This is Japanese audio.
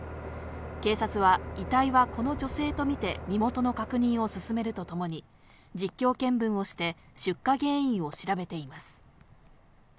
警察は遺体はこの女性とみて、身元の確認を進めるとともに実況見分をして出火原因を調べています。